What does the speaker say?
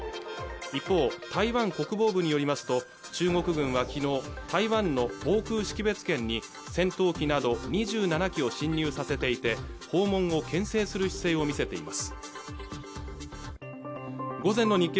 一方台湾国防部によりますと中国軍はきのう台湾の防空識別圏に戦闘機など２７機を侵入させていて訪問をけん制する姿勢を見せています